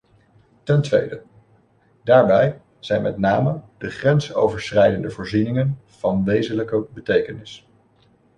Ten tweede, daarbij zijn met name de grensoverschrijdende voorzieningen van wezenlijke betekenis.